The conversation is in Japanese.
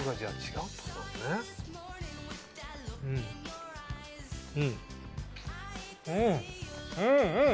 うんうん！